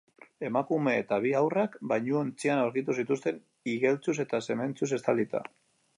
Emakumea eta bi haurrak bainuontzian aurkitu zituzten, igeltsuz eta zementuz estalita.